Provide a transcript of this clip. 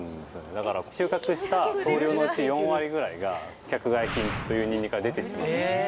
だから、収穫した総量のうち４割ぐらいが、規格外品というニンニクが出てしまう。